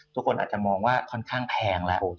ทุกคนอาจจะมองว่าค่อนข้างแพงแล้ว